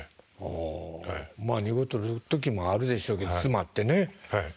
まあ２個取れる時もあるでしょうけど詰まってね。